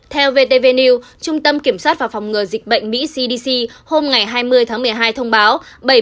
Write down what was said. theo vtv trung tâm kiểm soát và phòng ngừa dịch bệnh mỹ cdc hôm hai mươi tháng một mươi hai thông báo